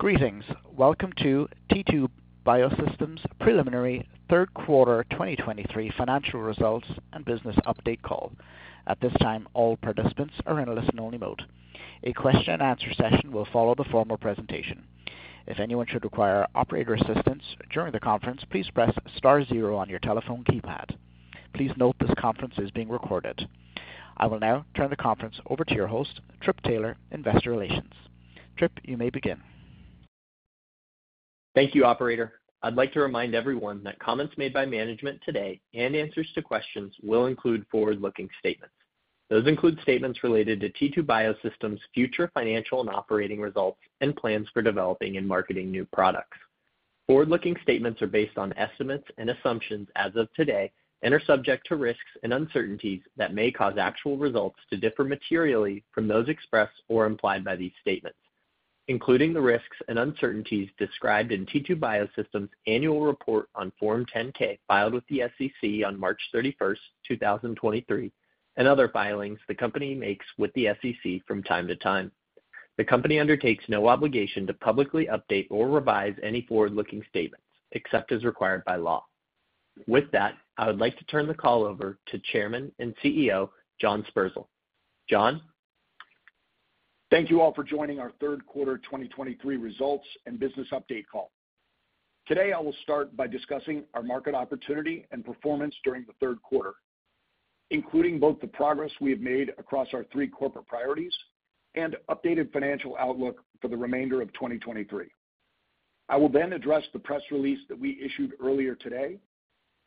Greetings. Welcome to T2 Biosystems' preliminary third quarter 2023 financial results and business update call. At this time, all participants are in a listen-only mode. A question-and-answer session will follow the formal presentation. If anyone should require operator assistance during the conference, please press star zero on your telephone keypad. Please note this conference is being recorded. I will now turn the conference over to your host, Trip Taylor, Investor Relations. Trip, you may begin. Thank you, operator. I'd like to remind everyone that comments made by management today and answers to questions will include forward-looking statements. Those include statements related to T2 Biosystems' future financial and operating results and plans for developing and marketing new products. Forward-looking statements are based on estimates and assumptions as of today and are subject to risks and uncertainties that may cause actual results to differ materially from those expressed or implied by these statements, including the risks and uncertainties described in T2 Biosystems' annual report on Form 10-K, filed with the SEC on March 31, 2023, and other filings the company makes with the SEC from time to time. The company undertakes no obligation to publicly update or revise any forward-looking statements except as required by law. With that, I would like to turn the call over to Chairman and CEO, John Sperzel. John? Thank you all for joining our third quarter 2023 results and business update call. Today, I will start by discussing our market opportunity and performance during the third quarter, including both the progress we have made across our three corporate priorities and updated financial outlook for the remainder of 2023. I will then address the press release that we issued earlier today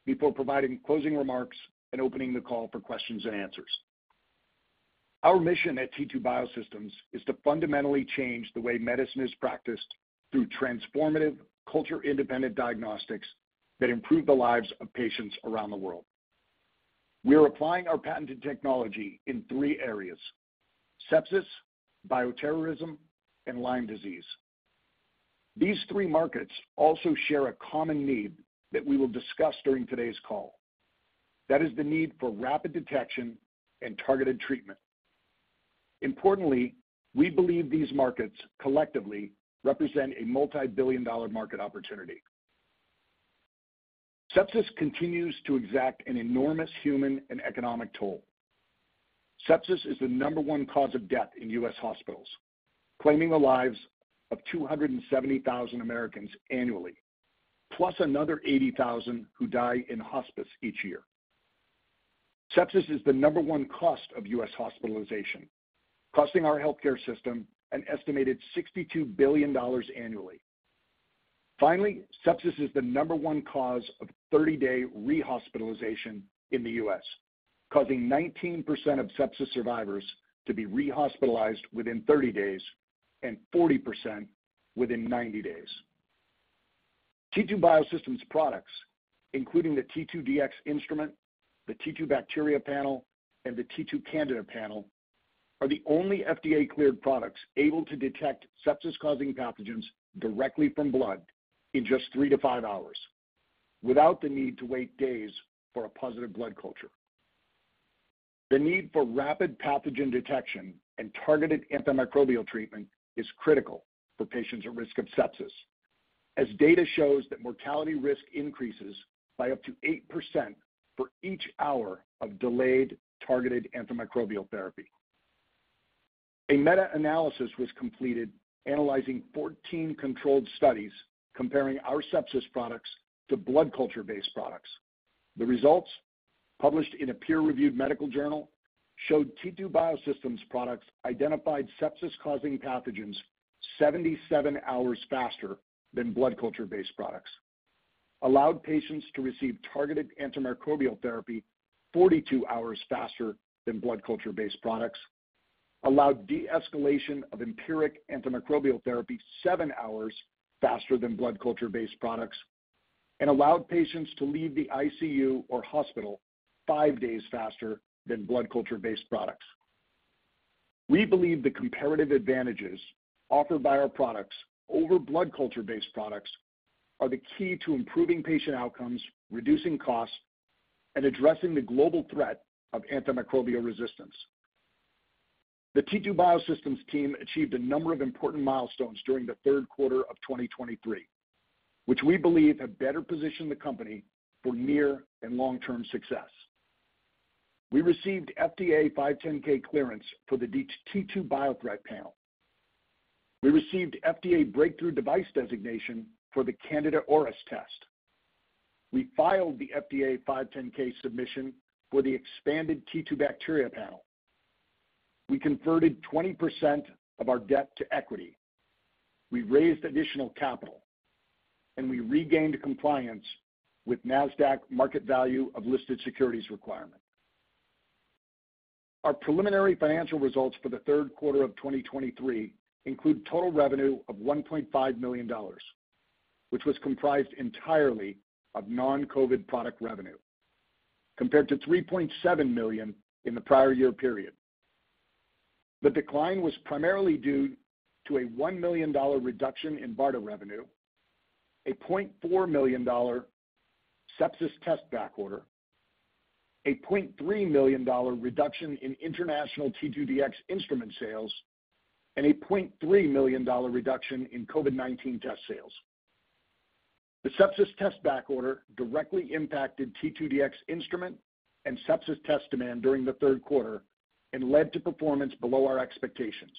before providing closing remarks and opening the call for questions and answers. Our mission at T2 Biosystems is to fundamentally change the way medicine is practiced through transformative, culture-independent diagnostics that improve the lives of patients around the world. We are applying our patented technology in three areas: Sepsis, Bioterrorism, and Lyme Disease. These three markets also share a common need that we will discuss during today's call. That is the need for rapid detection and targeted treatment. Importantly, we believe these markets collectively represent a multibillion-dollar market opportunity. Sepsis continues to exact an enormous human and economic toll. Sepsis is the number one cause of death in U.S. hospitals, claiming the lives of 270,000 Americans annually, plus another 80,000 who die in hospice each year. Sepsis is the number one cost of U.S. hospitalization, costing our healthcare system an estimated $62 billion annually. Finally, sepsis is the number one cause of 30-day rehospitalization in the U.S., causing 19% of sepsis survivors to be rehospitalized within 30 days and 40% within 90 days. T2 Biosystems products, including the T2Dx Instrument, the T2Bacteria Panel, and the T2Candida Panel, are the only FDA-cleared products able to detect sepsis-causing pathogens directly from blood in just three to five hours, without the need to wait days for a positive blood culture. The need for rapid pathogen detection and targeted antimicrobial treatment is critical for patients at risk of sepsis, as data shows that mortality risk increases by up to 8% for each hour of delayed, targeted antimicrobial therapy. A meta-analysis was completed analyzing 14 controlled studies comparing our sepsis products to blood culture-based products. The results, published in a peer-reviewed medical journal, showed T2 Biosystems products identified sepsis-causing pathogens 77 hours faster than blood culture-based products, allowed patients to receive targeted antimicrobial therapy 42 hours faster than blood culture-based products, allowed de-escalation of empiric antimicrobial therapy seven hours faster than blood culture-based products, and allowed patients to leave the ICU or hospital five days faster than blood culture-based products. We believe the comparative advantages offered by our products over blood culture-based products are the key to improving patient outcomes, reducing costs, and addressing the global threat of antimicrobial resistance. The T2 Biosystems team achieved a number of important milestones during the third quarter of 2023, which we believe have better positioned the company for near and long-term success. We received FDA 510(k) clearance for the T2Biothreat Panel. We received FDA Breakthrough Device Designation for the Candida auris test. We filed the FDA 510(k) submission for the expanded T2Bacteria Panel. We converted 20% of our debt to equity. We raised additional capital, and we regained compliance with Nasdaq market value of listed securities requirement. Our preliminary financial results for the third quarter of 2023 include total revenue of $1.5 million, which was comprised entirely of non-COVID product revenue, compared to $3.7 million in the prior year period. The decline was primarily due to a $1 million reduction in Barta revenue, a $0.4 million sepsis test backorder, a $0.3 million reduction in international T2Dx Instrument sales and a $0.3 million reduction in COVID-19 test sales. The sepsis test backorder directly impacted T2Dx Instrument and sepsis test demand during the third quarter and led to performance below our expectations.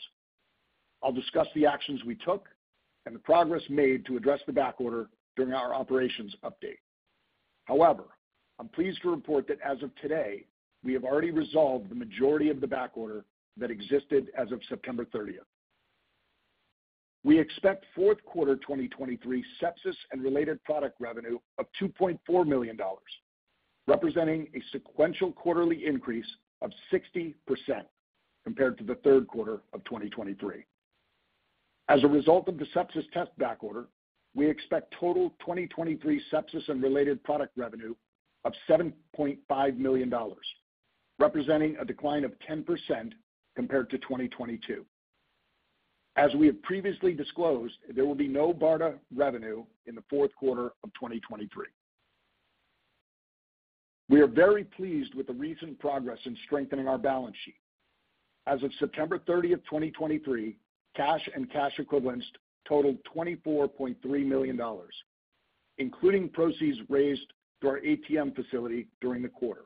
I'll discuss the actions we took and the progress made to address the backorder during our operations update. However, I'm pleased to report that as of today, we have already resolved the majority of the backorder that existed as of September 30. We expect fourth quarter 2023 sepsis and related product revenue of $2.4 million, representing a sequential quarterly increase of 60% compared to the third quarter of 2023. As a result of the sepsis test backorder, we expect total 2023 sepsis and related product revenue of $7.5 million, representing a decline of 10% compared to 2022. As we have previously disclosed, there will be no BARDA revenue in the fourth quarter of 2023. We are very pleased with the recent progress in strengthening our balance sheet. As of September 30, 2023, cash and cash equivalents totaled $24.3 million, including proceeds raised through our ATM facility during the quarter.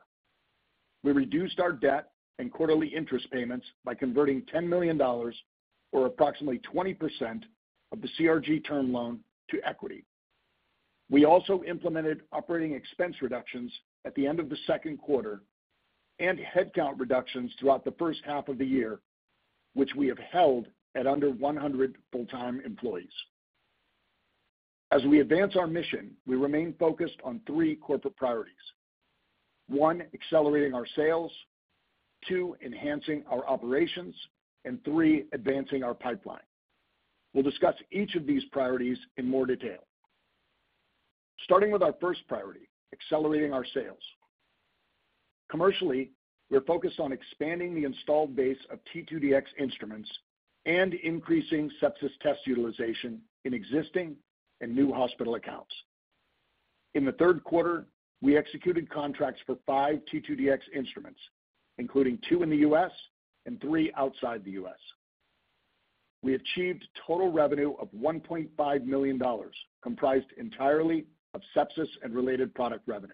We reduced our debt and quarterly interest payments by converting $10 million, or approximately 20% of the CRG term loan, to equity. We also implemented operating expense reductions at the end of the second quarter and headcount reductions throughout the first half of the year, which we have held at under 100 full-time employees. As we advance our mission, we remain focused on three corporate priorities. One, accelerating our sales, two, enhancing our operations, and three, advancing our pipeline. We'll discuss each of these priorities in more detail. Starting with our first priority, accelerating our sales. Commercially, we're focused on expanding the installed base of T2Dx Instruments and increasing sepsis test utilization in existing and new hospital accounts. In the third quarter, we executed contracts for five T2Dx Instruments, including two in the U.S. and three outside the U.S. We achieved total revenue of $1.5 million, comprised entirely of sepsis and related product revenue.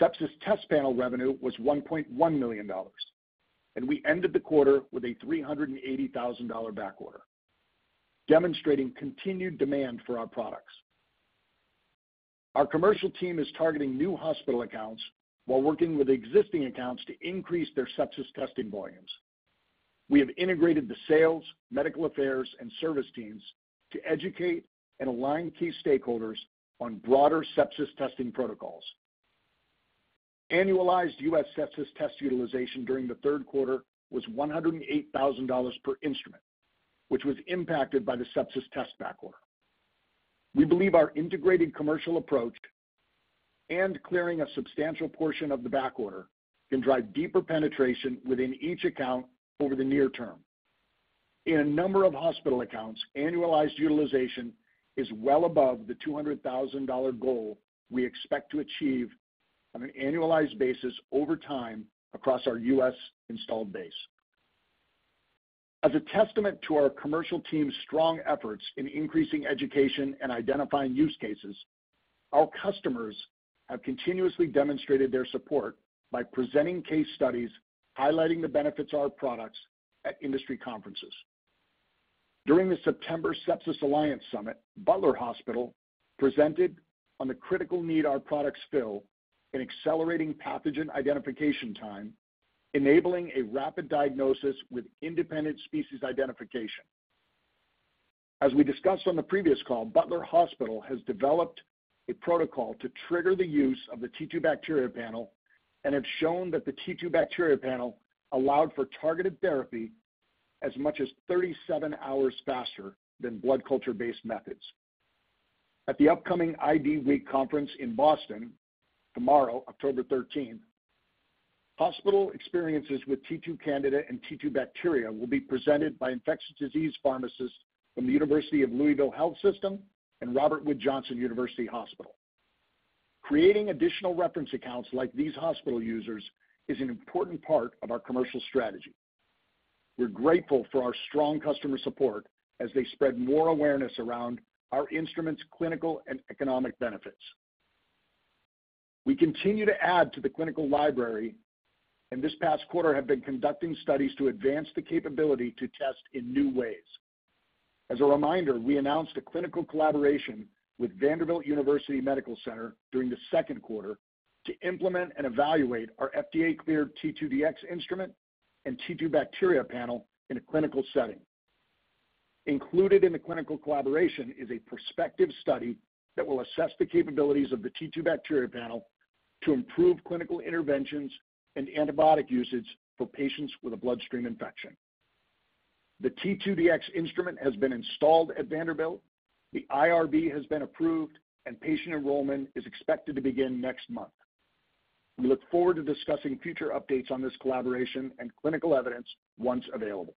Sepsis test panel revenue was $1.1 million, and we ended the quarter with a $380,000 backorder, demonstrating continued demand for our products. Our commercial team is targeting new hospital accounts while working with existing accounts to increase their sepsis testing volumes. We have integrated the sales, medical affairs, and service teams to educate and align key stakeholders on broader sepsis testing protocols. Annualized U.S. sepsis test utilization during the third quarter was $108,000 per instrument, which was impacted by the sepsis test backorder. We believe our integrated commercial approach and clearing a substantial portion of the backorder can drive deeper penetration within each account over the near term. In a number of hospital accounts, annualized utilization is well above the $200,000 goal we expect to achieve on an annualized basis over time across our U.S. installed base. As a testament to our commercial team's strong efforts in increasing education and identifying use cases, our customers have continuously demonstrated their support by presenting case studies highlighting the benefits of our products at industry conferences. During the September Sepsis Alliance Summit, Butler Hospital presented on the critical need our products fill in accelerating pathogen identification time, enabling a rapid diagnosis with independent species identification. As we discussed on the previous call, Butler Hospital has developed a protocol to trigger the use of the T2Bacteria Panel, and have shown that the T2Bacteria Panel allowed for targeted therapy as much as 37 hours faster than blood culture-based methods. At the upcoming IDWeek conference in Boston, tomorrow, October 13, hospital experiences with T2Candida and T2Bacteria will be presented by infectious disease pharmacists from the University of Louisville Health System and Robert Wood Johnson University Hospital. Creating additional reference accounts like these hospital users is an important part of our commercial strategy. We're grateful for our strong customer support as they spread more awareness around our instrument's clinical and economic benefits. We continue to add to the clinical library, and this past quarter have been conducting studies to advance the capability to test in new ways. As a reminder, we announced a clinical collaboration with Vanderbilt University Medical Center during the second quarter to implement and evaluate our FDA-cleared T2Dx Instrument and T2Bacteria Panel in a clinical setting. Included in the clinical collaboration is a prospective study that will assess the capabilities of the T2Bacteria Panel to improve clinical interventions and antibiotic usage for patients with a bloodstream infection. The T2Dx Instrument has been installed at Vanderbilt, the IRB has been approved, and patient enrollment is expected to begin next month. We look forward to discussing future updates on this collaboration and clinical evidence once available....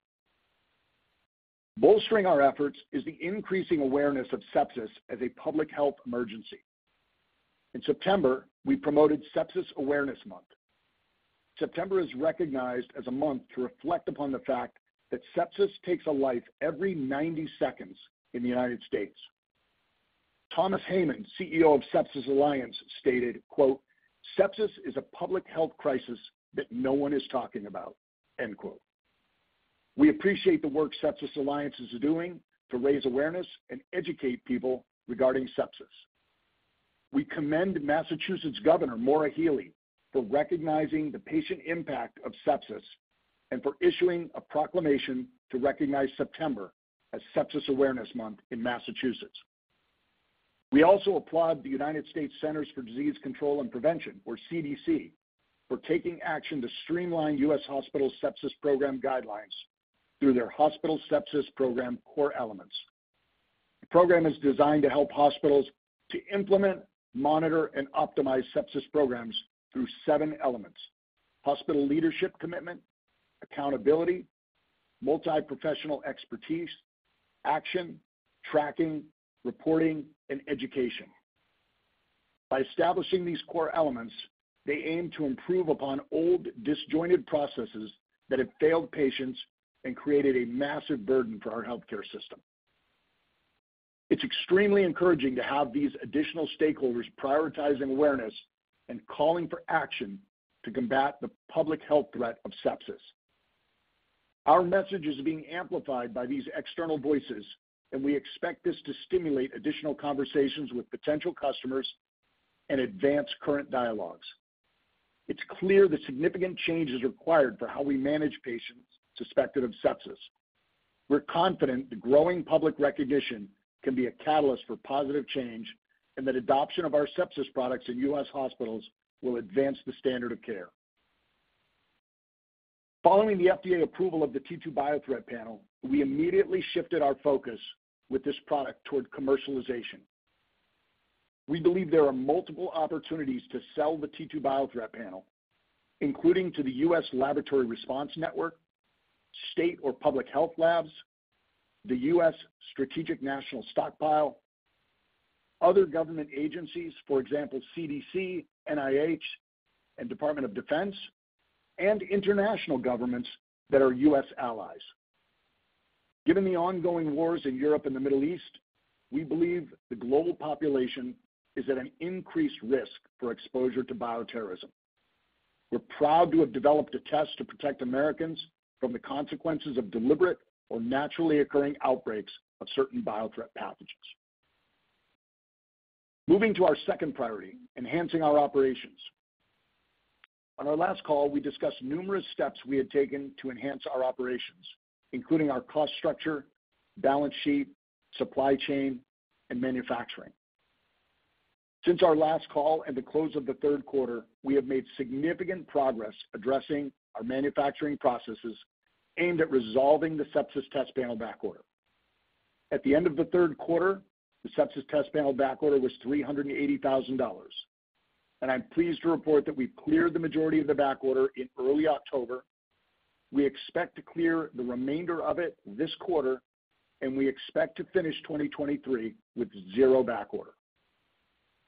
Bolstering our efforts is the increasing awareness of sepsis as a public health emergency. In September, we promoted Sepsis Awareness Month. September is recognized as a month to reflect upon the fact that sepsis takes a life every 90 seconds in the United States. Thomas Heymann, CEO of Sepsis Alliance, stated, quote, "Sepsis is a public health crisis that no one is talking about." End quote. We appreciate the work Sepsis Alliance is doing to raise awareness and educate people regarding sepsis. We commend Massachusetts Governor Maura Healey for recognizing the patient impact of sepsis and for issuing a proclamation to recognize September as Sepsis Awareness Month in Massachusetts. We also applaud the United States Centers for Disease Control and Prevention, or CDC, for taking action to streamline U.S. hospital sepsis program guidelines through their Hospital Sepsis Program Core Elements. The program is designed to help hospitals to implement, monitor, and optimize sepsis programs through seven elements: hospital leadership commitment, accountability, multi-professional expertise, action, tracking, reporting, and education. By establishing these core elements, they aim to improve upon old, disjointed processes that have failed patients and created a massive burden for our healthcare system. It's extremely encouraging to have these additional stakeholders prioritizing awareness and calling for action to combat the public health threat of sepsis. Our message is being amplified by these external voices, and we expect this to stimulate additional conversations with potential customers and advance current dialogues. It's clear that significant change is required for how we manage patients suspected of sepsis. We're confident the growing public recognition can be a catalyst for positive change, and that adoption of our sepsis products in U.S. hospitals will advance the standard of care. Following the FDA approval of the T2Biothreat Panel, we immediately shifted our focus with this product toward commercialization. We believe there are multiple opportunities to sell the T2Biothreat Panel, including to the U.S. Laboratory Response Network, state or public health labs, the U.S. Strategic National Stockpile, other government agencies, for example, CDC, NIH, and Department of Defense, and international governments that are U.S. allies. Given the ongoing wars in Europe and the Middle East, we believe the global population is at an increased risk for exposure to bioterrorism. We're proud to have developed a test to protect Americans from the consequences of deliberate or naturally occurring outbreaks of certain biothreat pathogens. Moving to our second priority, enhancing our operations. On our last call, we discussed numerous steps we had taken to enhance our operations, including our cost structure, balance sheet, supply chain, and manufacturing. Since our last call and the close of the third quarter, we have made significant progress addressing our manufacturing processes aimed at resolving the sepsis test panel backorder. At the end of the third quarter, the sepsis test panel backorder was $380,000, and I'm pleased to report that we cleared the majority of the backorder in early October. We expect to clear the remainder of it this quarter, and we expect to finish 2023 with zero backorder.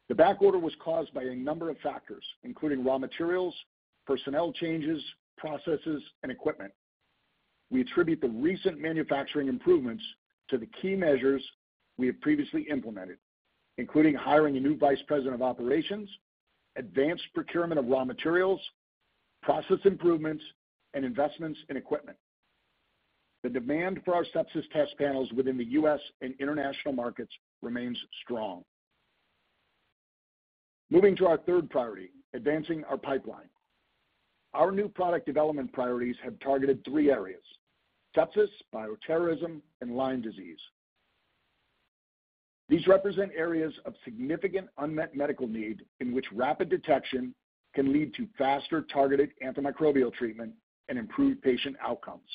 The backorder was caused by a number of factors, including raw materials, personnel changes, processes, and equipment. We attribute the recent manufacturing improvements to the key measures we have previously implemented, including hiring a new vice president of operations, advanced procurement of raw materials, process improvements, and investments in equipment. The demand for our sepsis test panels within the U.S. and international markets remains strong. Moving to our third priority, advancing our pipeline. Our new product development priorities have targeted three areas: Sepsis, Bioterrorism, and Lyme Disease. These represent areas of significant unmet medical need in which rapid detection can lead to faster targeted antimicrobial treatment and improved patient outcomes.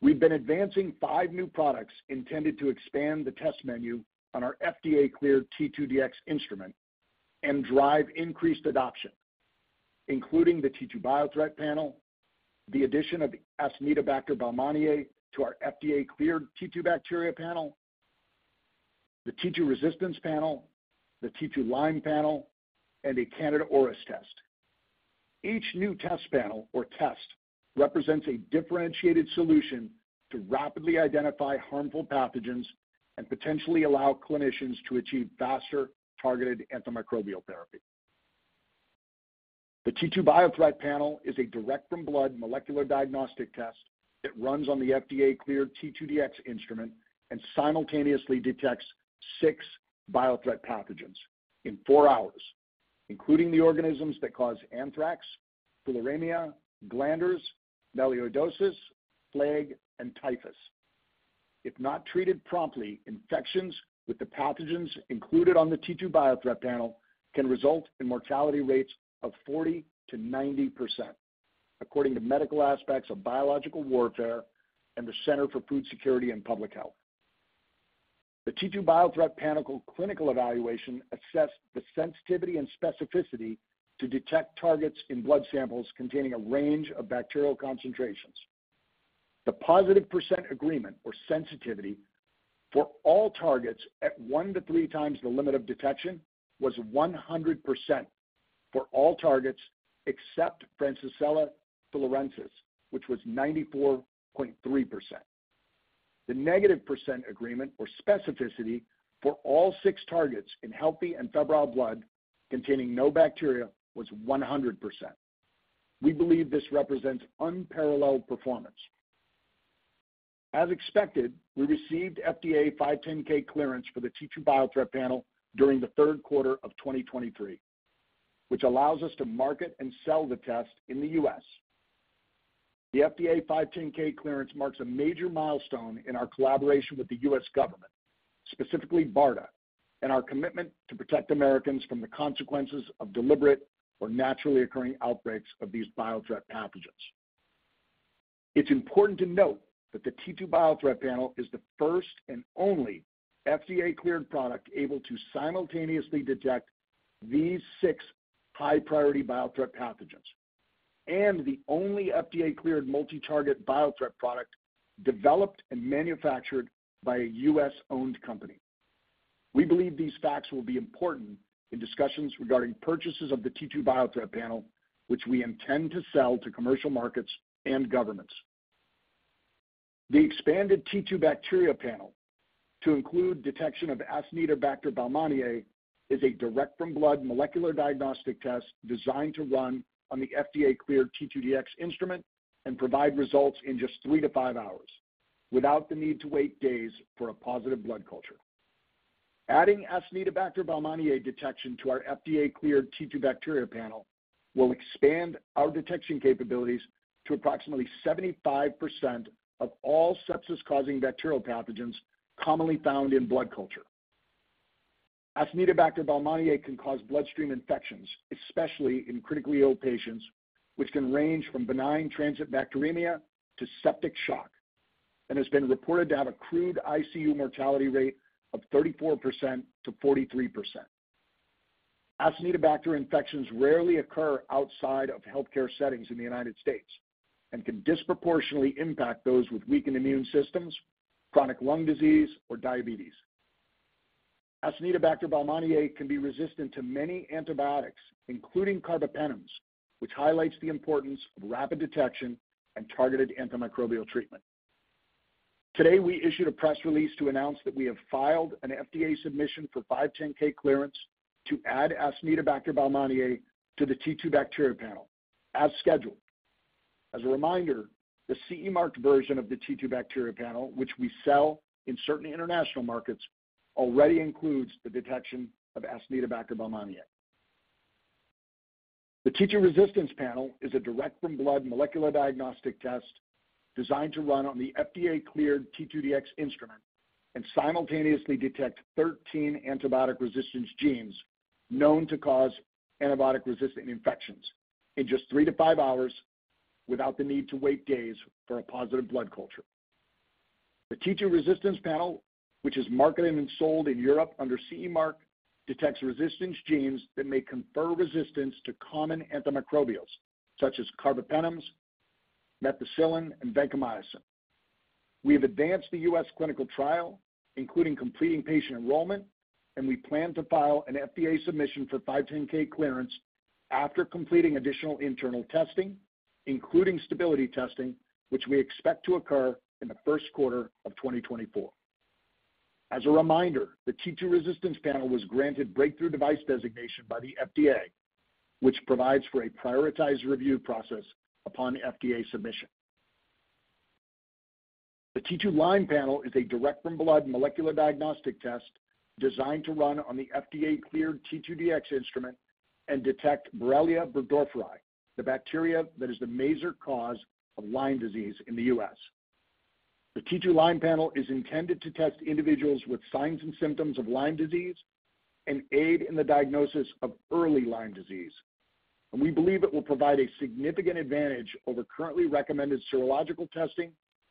We've been advancing five new products intended to expand the test menu on our FDA-cleared T2Dx Instrument and drive increased adoption, including the T2Biothreat Panel, the addition of Acinetobacter baumannii to our FDA-cleared T2Bacteria Panel, the T2Resistance Panel, the T2Lyme Panel, and a Candida auris test. Each new test panel or test represents a differentiated solution to rapidly identify harmful pathogens and potentially allow clinicians to achieve faster, targeted antimicrobial therapy. The T2Biothreat Panel is a direct-from-blood molecular diagnostic test that runs on the FDA-cleared T2Dx Instrument and simultaneously detects six biothreat pathogens in four hours, including the organisms that cause anthrax, tularemia, glanders, melioidosis, plague, and typhus. If not treated promptly, infections with the pathogens included on the T2Biothreat Panel can result in mortality rates of 40%-90%, according to medical aspects of biological warfare and the Center for Food Security and Public Health.... The T2Biothreat Panel clinical evaluation assessed the sensitivity and specificity to detect targets in blood samples containing a range of bacterial concentrations. The positive percent agreement or sensitivity for all targets at one to three times the limit of detection was 100% for all targets, except Francisella tularensis, which was 94.3%. The negative percent agreement or specificity for all six targets in healthy and febrile blood containing no bacteria was 100%. We believe this represents unparalleled performance. As expected, we received FDA 510(k) clearance for the T2Biothreat Panel during the third quarter of 2023, which allows us to market and sell the test in the U.S. The FDA 510(k) clearance marks a major milestone in our collaboration with the U.S. government, specifically BARDA, and our commitment to protect Americans from the consequences of deliberate or naturally occurring outbreaks of these biothreat pathogens. It's important to note that the T2Biothreat Panel is the first and only FDA-cleared product able to simultaneously detect these six high-priority biothreat pathogens, and the only FDA-cleared multi-target biothreat product developed and manufactured by a U.S.-owned company. We believe these facts will be important in discussions regarding purchases of the T2Biothreat Panel, which we intend to sell to commercial markets and governments. The expanded T2Bacteria Panel, to include detection of Acinetobacter baumannii, is a direct-from-blood molecular diagnostic test designed to run on the FDA-cleared T2Dx Instrument and provide results in just three to five hours, without the need to wait days for a positive blood culture. Adding Acinetobacter baumannii detection to our FDA-cleared T2Bacteria Panel will expand our detection capabilities to approximately 75% of all sepsis-causing bacterial pathogens commonly found in blood culture. Acinetobacter baumannii can cause bloodstream infections, especially in critically ill patients, which can range from benign transient bacteremia to septic shock, and has been reported to have a crude ICU mortality rate of 34%-43%. Acinetobacter infections rarely occur outside of healthcare settings in the United States and can disproportionately impact those with weakened immune systems, chronic lung disease, or diabetes. Acinetobacter baumannii can be resistant to many antibiotics, including carbapenems, which highlights the importance of rapid detection and targeted antimicrobial treatment. Today, we issued a press release to announce that we have filed an FDA submission for 510(k) clearance to add Acinetobacter baumannii to the T2Bacteria Panel as scheduled. As a reminder, the CE-marked version of the T2Bacteria Panel, which we sell in certain international markets, already includes the detection of Acinetobacter baumannii. The T2Resistance Panel is a direct-from-blood molecular diagnostic test designed to run on the FDA-cleared T2Dx Instrument and simultaneously detect 13 antibiotic resistance genes known to cause antibiotic-resistant infections in just three to five hours, without the need to wait days for a positive blood culture. The T2Resistance Panel, which is marketed and sold in Europe under CE mark, detects resistance genes that may confer resistance to common antimicrobials such as carbapenems, methicillin, and vancomycin. We have advanced the U.S. clinical trial, including completing patient enrollment, and we plan to file an FDA submission for 510(k) clearance after completing additional internal testing, including stability testing, which we expect to occur in the first quarter of 2024. As a reminder, the T2Resistance Panel was granted Breakthrough Device Designation by the FDA, which provides for a prioritized review process upon FDA submission. The T2Lyme Panel is a direct-from-blood molecular diagnostic test designed to run on the FDA-cleared T2Dx Instrument and detect Borrelia burgdorferi, the bacteria that is the major cause of Lyme disease in the U.S. The T2Lyme Panel is intended to test individuals with signs and symptoms of Lyme disease and aid in the diagnosis of early Lyme disease, and we believe it will provide a significant advantage over currently recommended serological testing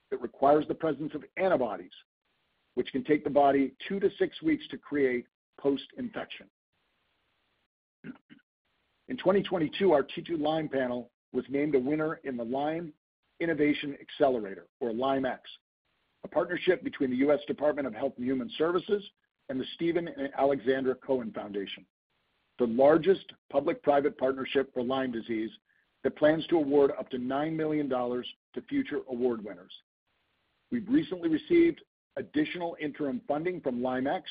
that requires the presence of antibodies, which can take the body two to six weeks to create post-infection. In 2022, our T2Lyme Panel was named a winner in the Lyme Innovation Accelerator or LymeX, a partnership between the U.S. Department of Health and Human Services and the Steven and Alexandra Cohen Foundation, the largest public-private partnership for Lyme disease that plans to award up to $9 million to future award winners. We've recently received additional interim funding from LymeX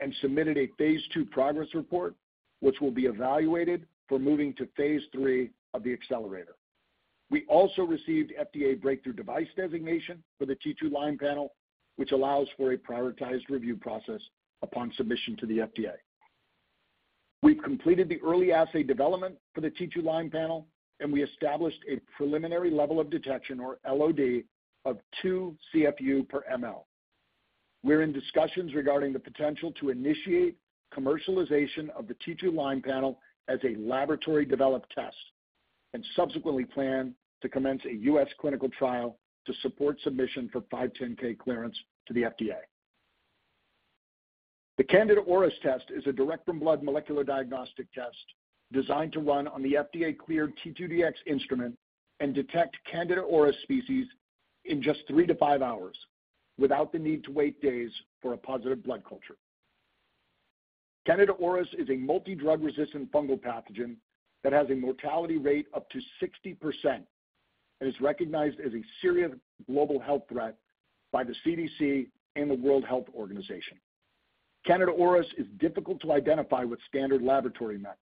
and submitted a phase II progress report, which will be evaluated for moving to phase III of the accelerator. We also received FDA Breakthrough Device Designation for the T2Lyme Panel, which allows for a prioritized review process upon submission to the FDA. We've completed the early assay development for the T2Lyme Panel, and we established a preliminary level of detection, or LOD, of 2 CFU/mL. We're in discussions regarding the potential to initiate commercialization of the T2Lyme Panel as a laboratory-developed test... and subsequently plan to commence a U.S. clinical trial to support submission for 510(k) clearance to the FDA. The Candida auris test is a direct-from-blood molecular diagnostic test designed to run on the FDA-cleared T2Dx Instrument and detect Candida auris species in just three to five hours, without the need to wait days for a positive blood culture. Candida auris is a multidrug-resistant fungal pathogen that has a mortality rate up to 60% and is recognized as a serious global health threat by the CDC and the World Health Organization. Candida auris is difficult to identify with standard laboratory methods,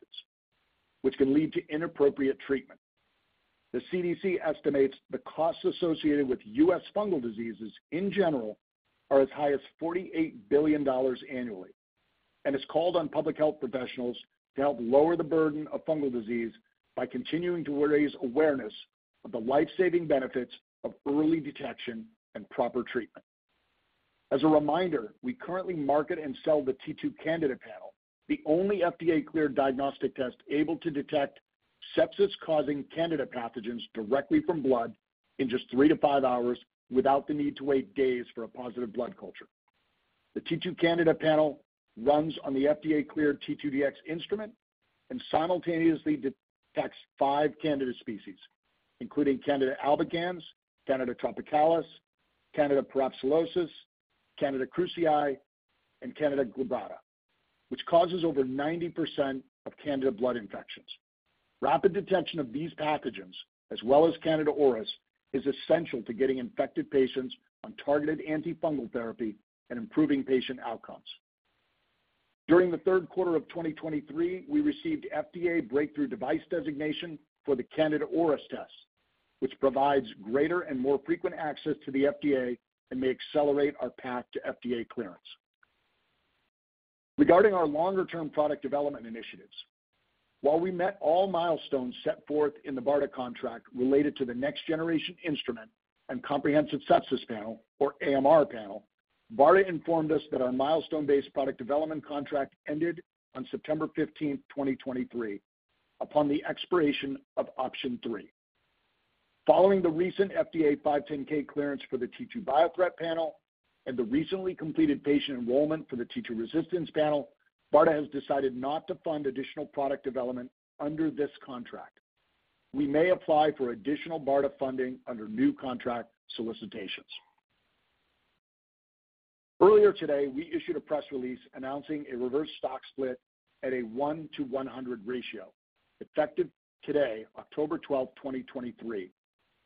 which can lead to inappropriate treatment. The CDC estimates the costs associated with U.S. fungal diseases in general are as high as $48 billion annually, and has called on public health professionals to help lower the burden of fungal disease by continuing to raise awareness of the life-saving benefits of early detection and proper treatment. As a reminder, we currently market and sell the T2Candida Panel, the only FDA-cleared diagnostic test able to detect sepsis-causing Candida pathogens directly from blood in just three to five hours, without the need to wait days for a positive blood culture. The T2Candida Panel runs on the FDA-cleared T2Dx Instrument and simultaneously detects five Candida species, including Candida albicans, Candida tropicalis, Candida parapsilosis, Candida krusei, and Candida glabrata, which causes over 90% of Candida blood infections. Rapid detection of these pathogens, as well as Candida auris, is essential to getting infected patients on targeted antifungal therapy and improving patient outcomes. During the third quarter of 2023, we received FDA Breakthrough Device Designation for the Candida auris test, which provides greater and more frequent access to the FDA and may accelerate our path to FDA clearance. Regarding our longer-term product development initiatives, while we met all milestones set forth in the BARDA contract related to the next generation instrument and comprehensive sepsis panel or AMR panel, BARDA informed us that our milestone-based product development contract ended on September 15, 2023, upon the expiration of Option 3. Following the recent FDA 510(k) clearance for the T2Biothreat Panel and the recently completed patient enrollment for the T2Resistance Panel, BARDA has decided not to fund additional product development under this contract. We may apply for additional BARDA funding under new contract solicitations. Earlier today, we issued a press release announcing a reverse stock split at a 1-100 ratio, effective today, October 12, 2023,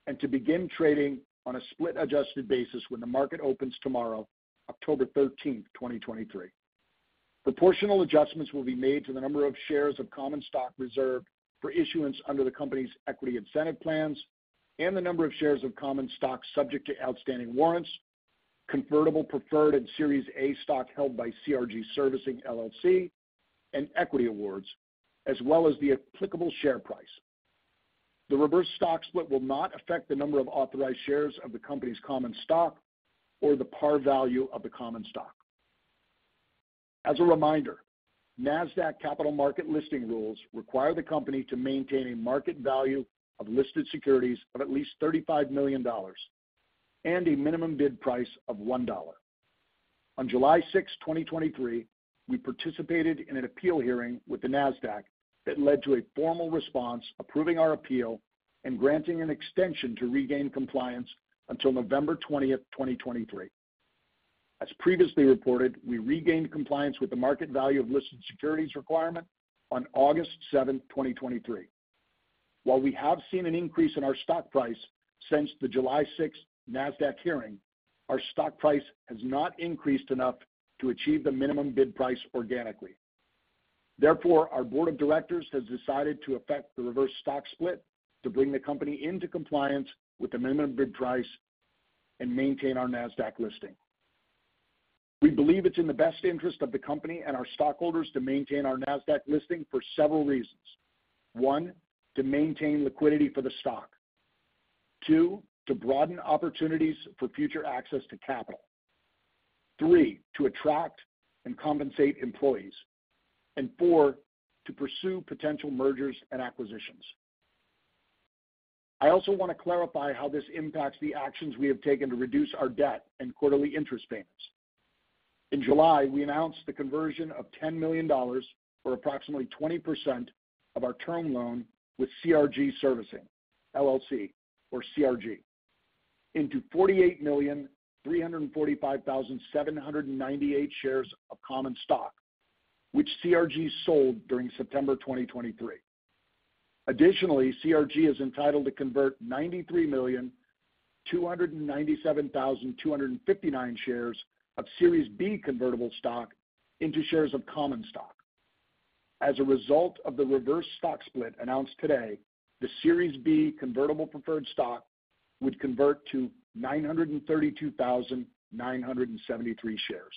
and to begin trading on a split-adjusted basis when the market opens tomorrow, October 13, 2023. Proportional adjustments will be made to the number of shares of common stock reserved for issuance under the company's equity incentive plans and the number of shares of common stock subject to outstanding warrants, convertible preferred and Series A stock held by CRG Servicing LLC, and equity awards, as well as the applicable share price. The reverse stock split will not affect the number of authorized shares of the company's common stock or the par value of the common stock. As a reminder, Nasdaq Capital Market listing rules require the company to maintain a market value of listed securities of at least $35 million and a minimum bid price of $1. On July 6, 2023, we participated in an appeal hearing with the Nasdaq that led to a formal response, approving our appeal and granting an extension to regain compliance until November 20, 2023. As previously reported, we regained compliance with the market value of listed securities requirement on August 7, 2023. While we have seen an increase in our stock price since the July 6 Nasdaq hearing, our stock price has not increased enough to achieve the minimum bid price organically. Therefore, our board of directors has decided to effect the reverse stock split to bring the company into compliance with the minimum bid price and maintain our Nasdaq listing. We believe it's in the best interest of the company and our stockholders to maintain our Nasdaq listing for several reasons. 1, to maintain liquidity for the stock. 2, to broaden opportunities for future access to capital. 3, to attract and compensate employees. And 4, to pursue potential mergers and acquisitions. I also want to clarify how this impacts the actions we have taken to reduce our debt and quarterly interest payments. In July, we announced the conversion of $10 million, or approximately 20% of our term loan, with CRG Servicing LLC, or CRG, into 48,345,798 shares of common stock, which CRG sold during September 2023. Additionally, CRG is entitled to convert 93,297,259 shares of Series B convertible stock into shares of common stock. As a result of the reverse stock split announced today, the Series B convertible preferred stock would convert to 932,973 shares.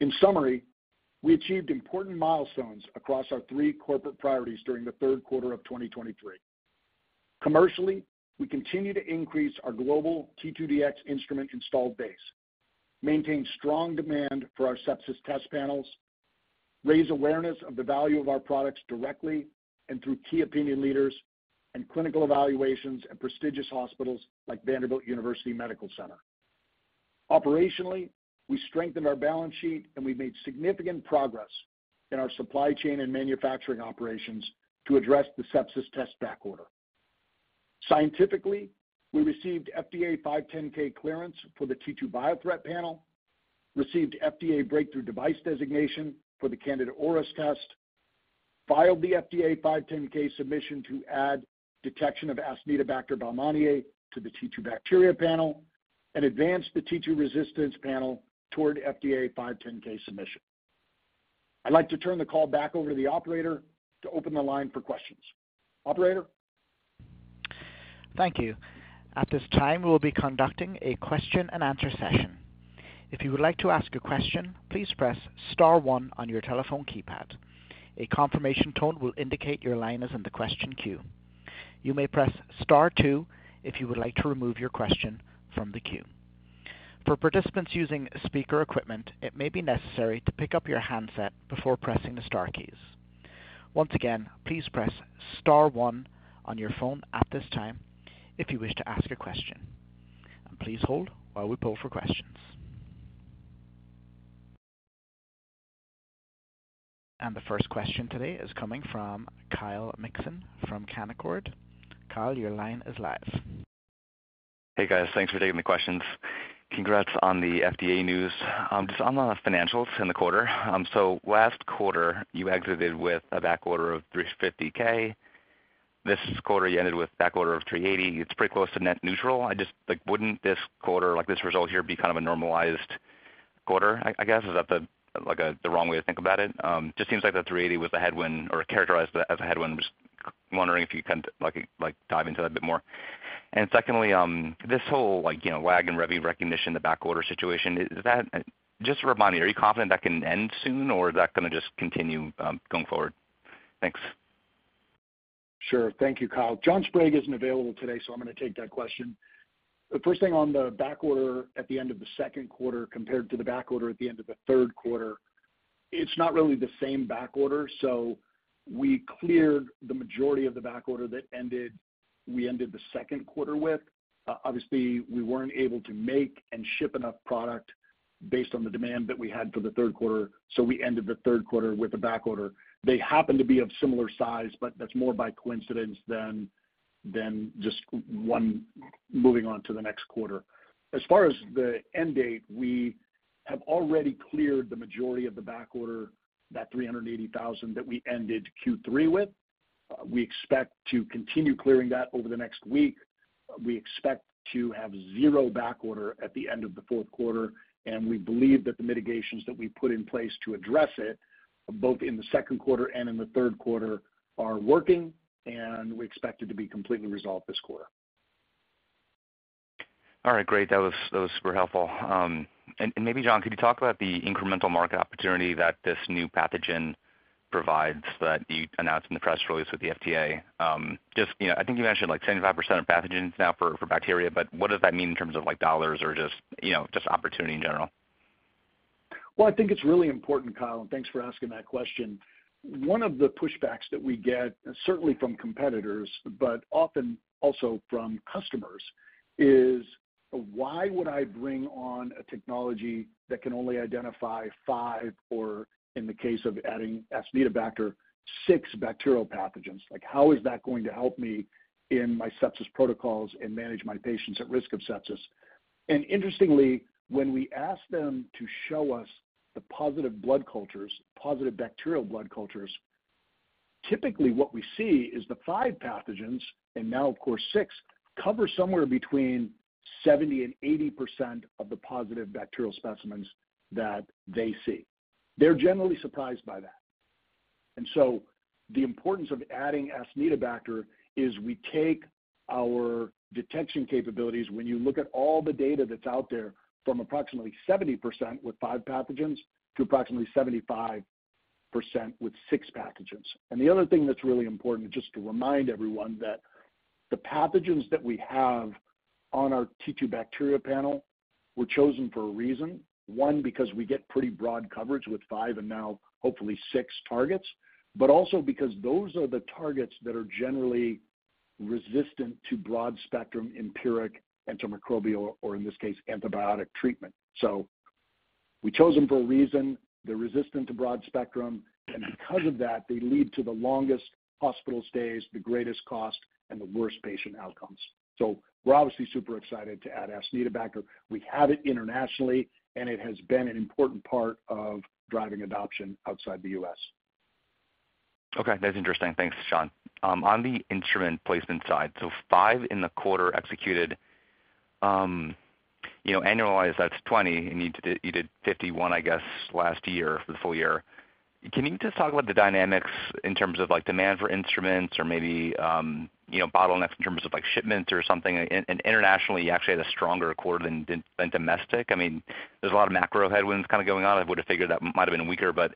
In summary, we achieved important milestones across our three corporate priorities during the third quarter of 2023.... Commercially, we continue to increase our global T2Dx Instrument installed base, maintain strong demand for our sepsis test panels, raise awareness of the value of our products directly and through key opinion leaders and clinical evaluations at prestigious hospitals like Vanderbilt University Medical Center. Operationally, we strengthened our balance sheet, and we've made significant progress in our supply chain and manufacturing operations to address the sepsis test backorder. Scientifically, we received FDA 510(k) clearance for the T2Biothreat Panel, received FDA Breakthrough Device Designation for the Candida auris test, filed the FDA 510(k) submission to add detection of Acinetobacter baumannii to the T2Bacteria Panel, and advanced the T2Resistance Panel toward FDA 510(k) submission. I'd like to turn the call back over to the operator to open the line for questions. Operator? Thank you. At this time, we will be conducting a question-and-answer session. If you would like to ask a question, please press star one on your telephone keypad. A confirmation tone will indicate your line is in the question queue. You may press star two if you would like to remove your question from the queue. For participants using speaker equipment, it may be necessary to pick up your handset before pressing the star keys. Once again, please press star one on your phone at this time if you wish to ask a question. Please hold while we pull for questions. The first question today is coming from Kyle Mikson from Canaccord. Kyle, your line is live. Hey, guys, thanks for taking the questions. Congrats on the FDA news. Just on the financials in the quarter, last quarter, you exited with a backorder of $350,000. This quarter, you ended with backorder of $380,000. It's pretty close to net neutral. I just, like, wouldn't this quarter, like, this result here, be kind of a normalized quarter, I guess? Is that the, like, the wrong way to think about it? Just seems like the $380,000 was a headwind, or characterized as a headwind. Just wondering if you can, like, like, dive into that a bit more. Secondly, this whole, like, you know, lag in revvy recognition, the backorder situation, is that, just remind me, are you confident that can end soon, or is that gonna just continue, going forward? Thanks. Sure. Thank you, Kyle. John Sprague isn't available today, so I'm gonna take that question. The first thing on the backorder at the end of the second quarter compared to the backorder at the end of the third quarter, it's not really the same backorder, so we cleared the majority of the backorder that ended, we ended the second quarter with. Obviously, we weren't able to make and ship enough product based on the demand that we had for the third quarter, so we ended the third quarter with a backorder. They happen to be of similar size, but that's more by coincidence than just one moving on to the next quarter. As far as the end date, we have already cleared the majority of the backorder, that $380,000 that we ended Q3 with. We expect to continue clearing that over the next week. We expect to have zero backorder at the end of the fourth quarter, and we believe that the mitigations that we put in place to address it, both in the second quarter and in the third quarter, are working, and we expect it to be completely resolved this quarter. All right, great. That was, that was super helpful. And maybe, John, could you talk about the incremental market opportunity that this new pathogen provides, that you announced in the press release with the FDA? Just, you know, I think you mentioned, like, 75% of pathogens now for bacteria, but what does that mean in terms of, like, dollars or just, you know, just opportunity in general? Well, I think it's really important, Kyle, and thanks for asking that question. One of the pushbacks that we get, certainly from competitors, but often also from customers, is why would I bring on a technology that can only identify five, or in the case of adding Acinetobacter, six bacterial pathogens? Like, how is that going to help me in my sepsis protocols and manage my patients at risk of sepsis? And interestingly, when we ask them to show us the positive blood cultures, positive bacterial blood cultures, typically what we see is the five pathogens, and now of course six, cover somewhere between 70%-80% of the positive bacterial specimens that they see. They're generally surprised by that. The importance of adding Acinetobacter is we take our detection capabilities, when you look at all the data that's out there, from approximately 70% with five pathogens to approximately 75% with six pathogens. The other thing that's really important, just to remind everyone, that the pathogens that we have on our T2Bacteria Panel were chosen for a reason. One, because we get pretty broad coverage with five and now hopefully six targets, but also because those are the targets that are generally resistant to broad-spectrum empiric antimicrobial, or in this case, antibiotic treatment. We chose them for a reason. They're resistant to broad spectrum, and because of that, they lead to the longest hospital stays, the greatest cost, and the worst patient outcomes. We're obviously super excited to add Acinetobacter. We have it internationally, and it has been an important part of driving adoption outside the U.S. Okay, that's interesting. Thanks, John. On the instrument placement side, so five in the quarter executed. You know, annualized, that's 20, and you did, you did 51, I guess, last year for the full year. Can you just talk about the dynamics in terms of, like, demand for instruments or maybe, you know, bottlenecks in terms of, like, shipments or something? And internationally, you actually had a stronger quarter than domestic. I mean, there's a lot of macro headwinds kind of going on. I would have figured that might have been weaker, but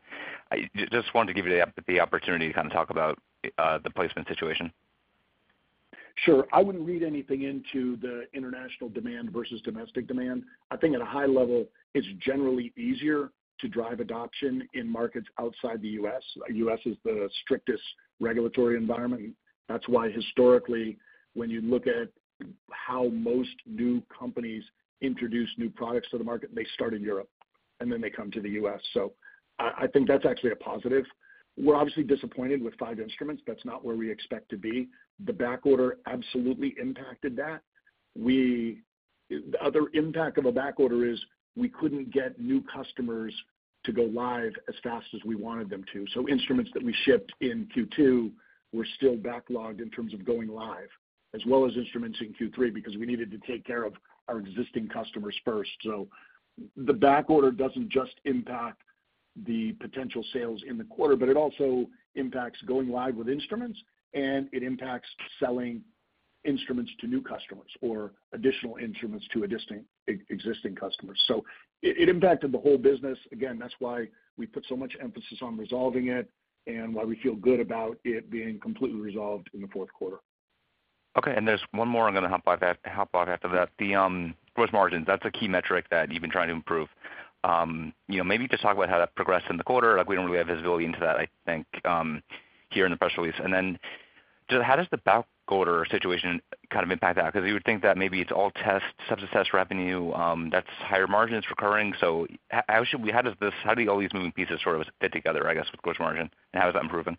I just wanted to give you the opportunity to kind of talk about the placement situation.... Sure, I wouldn't read anything into the international demand versus domestic demand. I think at a high level, it's generally easier to drive adoption in markets outside the U.S. U.S. is the strictest regulatory environment. That's why historically, when you look at how most new companies introduce new products to the market, they start in Europe, and then they come to the U.S. So I, I think that's actually a positive. We're obviously disappointed with five instruments. That's not where we expect to be. The backorder absolutely impacted that. We, the other impact of a backorder is we couldn't get new customers to go live as fast as we wanted them to. So instruments that we shipped in Q2 were still backlogged in terms of going live, as well as instruments in Q3, because we needed to take care of our existing customers first. So the backorder doesn't just impact the potential sales in the quarter, but it also impacts going live with instruments, and it impacts selling instruments to new customers or additional instruments to existing, existing customers. So it, it impacted the whole business. Again, that's why we put so much emphasis on resolving it and why we feel good about it being completely resolved in the fourth quarter. Okay, and there's one more I'm gonna hop by that, hop on after that. The gross margins, that's a key metric that you've been trying to improve. You know, maybe just talk about how that progressed in the quarter. Like, we don't really have visibility into that, I think, here in the press release. And then just how does the backorder situation kind of impact that? Because you would think that maybe it's all test, substance test revenue, that's higher margins recurring. So how should we-- how does this, how do all these moving pieces sort of fit together, I guess, with gross margin, and how is that improving?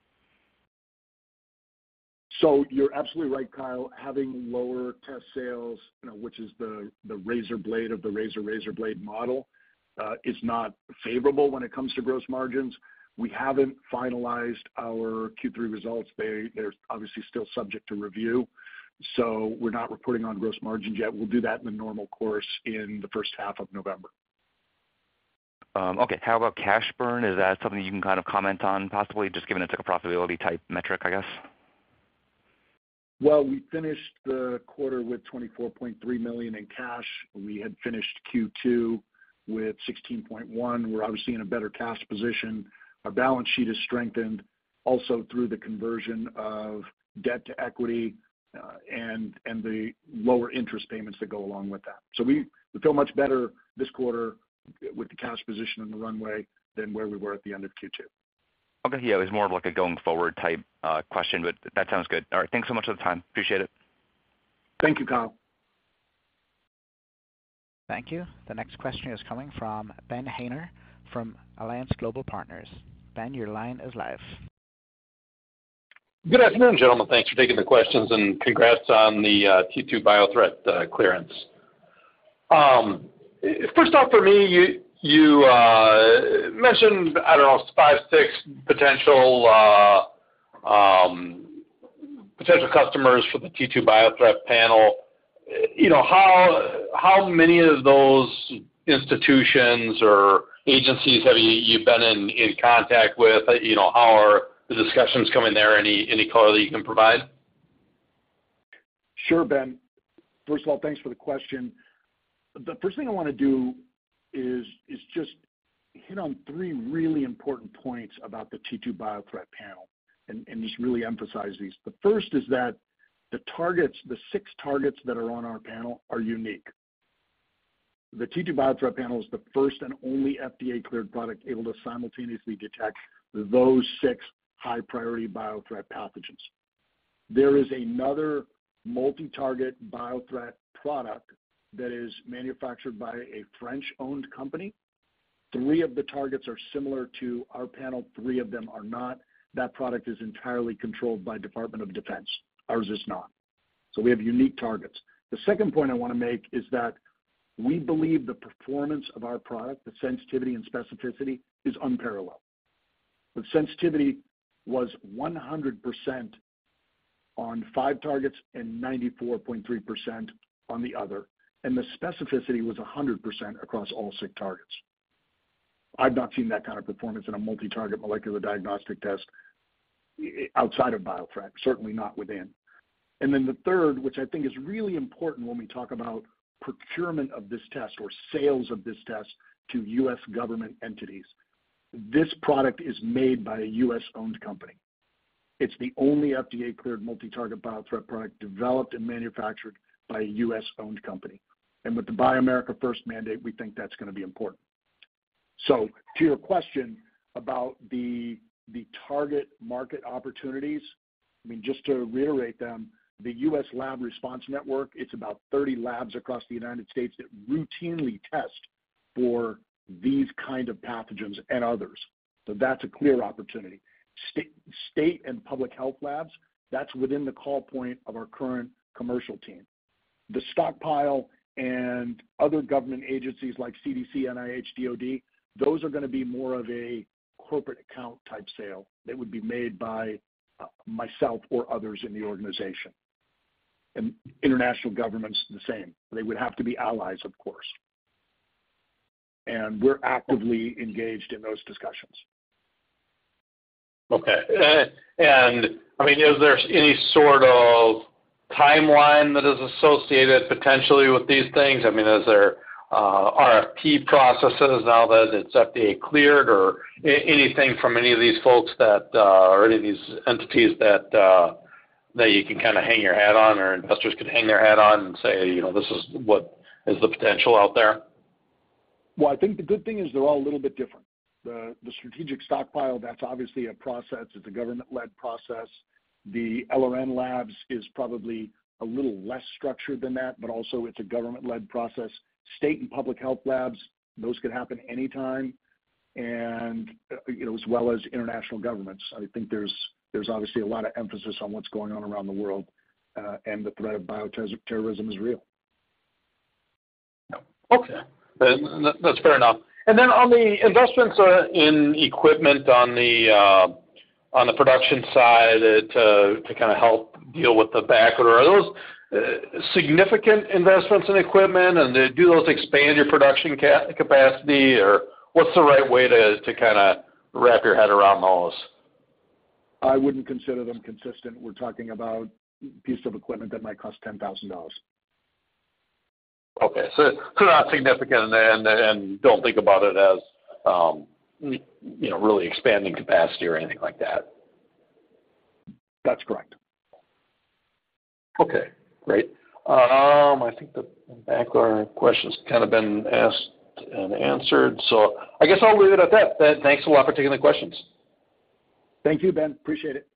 So you're absolutely right, Kyle. Having lower test sales, you know, which is the razor blade of the razor razor blade model, is not favorable when it comes to gross margins. We haven't finalized our Q3 results. They, they're obviously still subject to review, so we're not reporting on gross margins yet. We'll do that in the normal course in the first half of November. Okay. How about cash burn? Is that something you can kind of comment on, possibly, just given it's like a profitability type metric, I guess? Well, we finished the quarter with $24.3 million in cash. We had finished Q2 with $16.1 million. We're obviously in a better cash position. Our balance sheet is strengthened also through the conversion of debt to equity, and the lower interest payments that go along with that. So we feel much better this quarter with the cash position in the runway than where we were at the end of Q2. Okay, yeah. It was more of like a going forward type question, but that sounds good. All right. Thanks so much for the time. Appreciate it. Thank you, Kyle. Thank you. The next question is coming from Ben Haynor, from Alliance Global Partners. Ben, your line is live. Good afternoon, gentlemen. Thanks for taking the questions, and congrats on the T2Biothreat clearance. First off, for me, you mentioned, I don't know, five, six potential customers for the T2Biothreat Panel. You know, how many of those institutions or agencies have you been in contact with? You know, how are the discussions coming there? Any color that you can provide? Sure, Ben. First of all, thanks for the question. The first thing I want to do is just hit on three really important points about the T2Biothreat Panel and just really emphasize these. The first is that the targets, the six targets that are on our panel are unique. The T2Biothreat Panel is the first and only FDA-cleared product able to simultaneously detect those six high-priority biothreat pathogens. There is another multi-target biothreat product that is manufactured by a French-owned company. Three of the targets are similar to our panel, three of them are not. That product is entirely controlled by Department of Defense. Ours is not. So we have unique targets. The second point I want to make is that we believe the performance of our product, the sensitivity and specificity, is unparalleled. The sensitivity was 100% on five targets and 94.3% on the other, and the specificity was 100% across all six targets. I've not seen that kind of performance in a multi-target molecular diagnostic test outside of biothreat, certainly not within. And then the third, which I think is really important when we talk about procurement of this test or sales of this test to U.S. government entities, this product is made by a U.S.-owned company. It's the only FDA-cleared multi-target biothreat product developed and manufactured by a U.S.-owned company. And with the Buy America First mandate, we think that's going to be important. So to your question about the target market opportunities, I mean, just to reiterate them, the U.S. Laboratory Response Network, it's about 30 labs across the United States that routinely test for these kind of pathogens and others. So that's a clear opportunity. State and public health labs, that's within the call point of our current commercial team. The stockpile and other government agencies like CDC, NIH, DoD, those are going to be more of a corporate account type sale that would be made by myself or others in the organization. And international governments, the same. They would have to be allies, of course, and we're actively engaged in those discussions. Okay. And I mean, is there any sort of timeline?... that is associated potentially with these things? I mean, is there RFP processes now that it's FDA cleared, or anything from any of these folks that, or any of these entities that, that you can kind of hang your hat on, or investors can hang their hat on and say, you know, this is what is the potential out there? Well, I think the good thing is they're all a little bit different. The strategic stockpile, that's obviously a process. It's a government-led process. The LRN Labs is probably a little less structured than that, but also it's a government-led process. State and public health labs, those could happen anytime, and, you know, as well as international governments. I think there's obviously a lot of emphasis on what's going on around the world, and the threat of bioterrorism is real. Okay, that's fair enough. And then on the investments in equipment on the production side, to kind of help deal with the backlog, are those significant investments in equipment? And do those expand your production capacity, or what's the right way to kind of wrap your head around those? I wouldn't consider them consistent. We're talking about a piece of equipment that might cost $10,000. Okay. So not significant and don't think about it as, you know, really expanding capacity or anything like that. That's correct. Okay, great. I think the backlog question's kind of been asked and answered, so I guess I'll leave it at that. Ben, thanks a lot for taking the questions. Thank you, Ben. Appreciate it.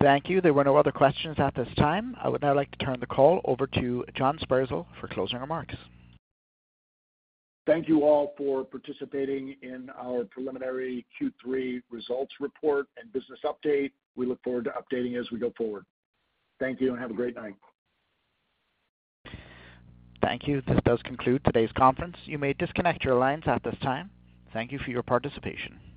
Thank you. There were no other questions at this time. I would now like to turn the call over to John Sperzel for closing remarks. Thank you all for participating in our preliminary Q3 results report and business update. We look forward to updating as we go forward. Thank you, and have a great night. Thank you. This does conclude today's conference. You may disconnect your lines at this time. Thank you for your participation.